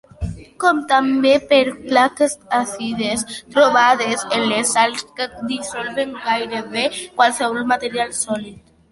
Com també per plaques àcides trobades en les sals que dissolen gairebé qualsevol material sòlid.